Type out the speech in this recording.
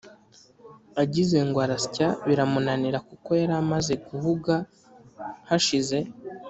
Agize ngo arasya biramunanira, kuko yari amaze guhuga hashize